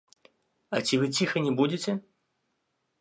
А ці вы ціха не будзеце?